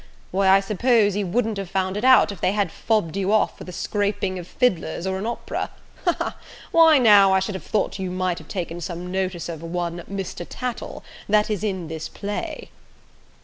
Why, I suppose you wouldn't have found it out, if they had fob'd you off with a scraping of fiddlers, or an opera? Ha, ha, ha! Why, now, I should have thought you might have taken some notice of one Mr. Tattle, that is in this play!"